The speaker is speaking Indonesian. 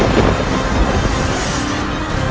kau tahu hal itu